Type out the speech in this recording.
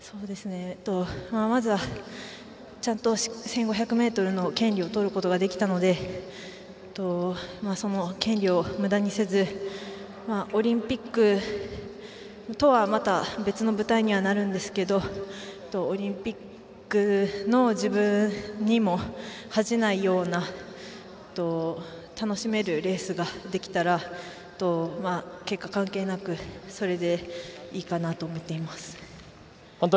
まずは、ちゃんと１５００ｍの権利をとることができたのでその権利をむだにせずオリンピックとはまた別の舞台にはなるんですけどオリンピックの自分にも恥じないような楽しめるレースができたら結果関係なくそれでいいかなと思っています。